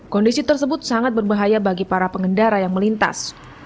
kondisi tersebut sangat berbahaya bagi para pengendara yang melintas